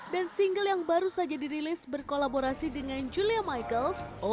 dan single yang baru saja dirilis berkolaborasi dengan julia michaels ok